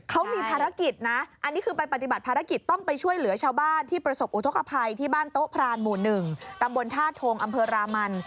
เขามีภารกิจนะอันนี้คือไปปฏิบัติภารกิจต้องไปช่วยเหลือชาวบ้านที่ประสบอุทธกภัยที่บ้านโต๊ะพรานหมู่๑ตำบลท่าทงอำเภอรามัน